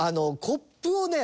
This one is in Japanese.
コップをね